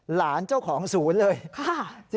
หลานเจ้าของศูนย์เลย